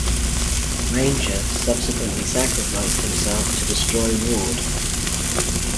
Ranger subsequently sacrificed himself to destroy Ward.